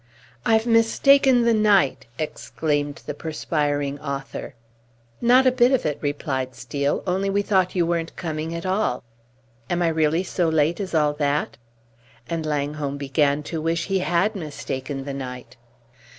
"I've mistaken the night!" exclaimed the perspiring author. "Not a bit of it," replied Steel; "only we thought you weren't coming at all." "Am I really so late as all that?" And Langholm began to wish he had mistaken the night.